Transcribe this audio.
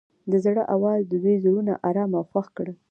د زړه اواز د دوی زړونه ارامه او خوښ کړل.